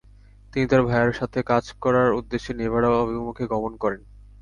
তিনি তার ভাইয়ের সাথে কাজ করার উদ্দেশ্যে নেভাডা অভিমুখে গমন করেন।